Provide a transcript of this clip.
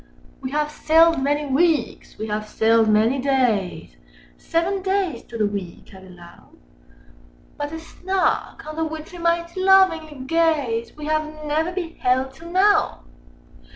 "We have sailed many weeks, we have sailed many days, Â Â Â Â (Seven days to the week I allow), But a Snark, on the which we might lovingly gaze, Â Â Â Â We have never beheld till now!